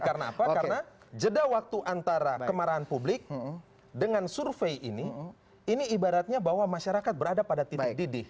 karena apa karena jeda waktu antara kemarahan publik dengan survei ini ini ibaratnya bahwa masyarakat berada pada titik didih